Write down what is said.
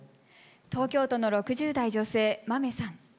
東京都の６０代・女性まめさん。